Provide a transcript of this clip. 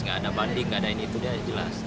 tidak ada banding tidak ada ini itu dia jelas